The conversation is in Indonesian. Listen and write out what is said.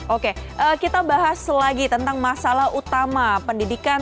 oke kita bahas lagi tentang masalah utama pendidikan